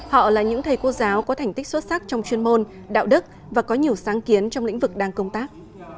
họ là những thầy cô giáo có thành tích xuất sắc trong chuyên môn đạo đức và có nhiều sáng kiến trong lĩnh vực đang công tác